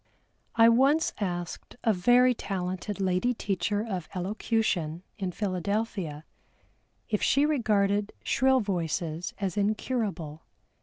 I once asked a very talented lady teacher of Elocution in Philadelphia if she regarded shrill voices as incurable.